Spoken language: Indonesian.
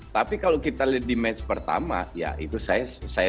tapi kalau kita lihat di match pertama ya itu saya